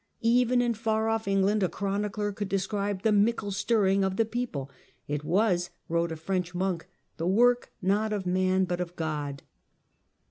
Even in far off England a chronicler could describe the " mickle stirring of the people." " It was," wrote a French monk, " the work, not of man, but of God."